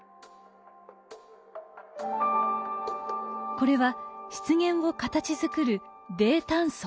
これは湿原を形づくる泥炭層。